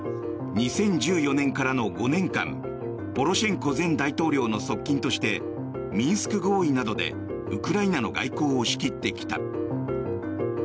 ２０１４年からの５年間ポロシェンコ前大統領の側近としてミンスク合意などでウクライナの外交を仕切ってきた。